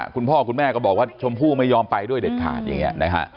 คุณพ่อคุณแม่ก็บอกว่าชมพู่ไม่ยอมไปด้วยเด็ดขาดอย่างนี้นะฮะ